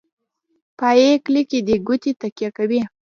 پایې کلکې دي کوټې تکیه کوي.